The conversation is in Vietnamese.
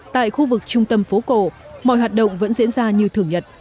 tại khu vực trung tâm phố cổ mọi hoạt động vẫn diễn ra như thường nhật